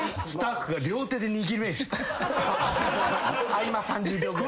合間３０秒ぐらい。